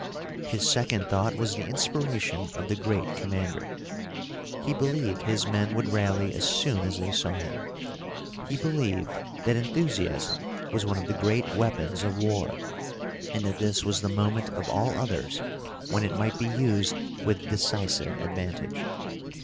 His second thought was the inspiration of the great commander. He believed his men would rally as soon as they saw him. He believed that enthusiasm was one of the great weapons of war, and that this was the moment of all others when it might be used with decisive advantage.